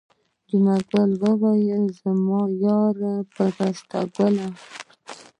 جمعه ګل وویل زما یاره پستکیه.